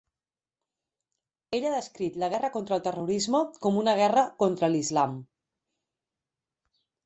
Ell ha descrit la guerra contra el terrorisme com una guerra contra l'Islam.